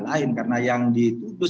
lain karena yang ditutup